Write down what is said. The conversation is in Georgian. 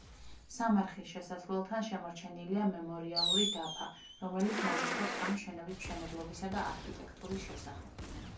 სამარხის შესასვლელთან შემორჩენილია მემორიალური დაფა, რომელიც მოგვითხრობს ამ შენობის მშენებლობისა და არქიტექტურის შესახებ.